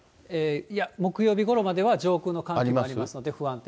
いや、木曜日ごろまでは上空の寒気がありますので不安定。